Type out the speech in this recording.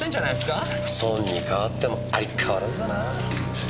尊に変わっても相変わらずだなぁ。